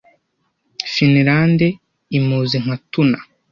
Finilande imuzi nka Tuna